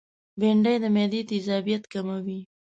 بېنډۍ د معدې تيزابیت کموي